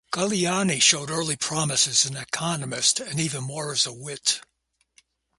Galiani showed early promise as an economist, and even more as a wit.